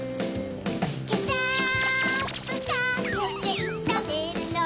ケチャップかけていためるの